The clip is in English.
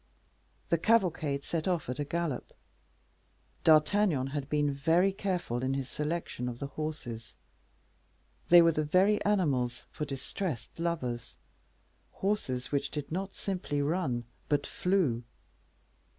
The cavalcade set off at a gallop. D'Artagnan had been very careful in his selection of the horses; they were the very animals for distressed lovers horses which did not simply run, but flew.